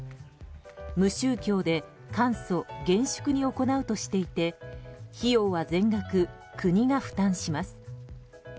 無宗教で簡素・厳粛に行うとしていて費用は全額、国が負担します。